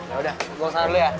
gue kesana dulu ya